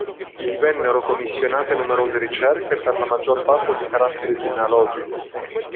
Gli vennero commissionate numerose ricerche, per la maggior parte di carattere genealogico.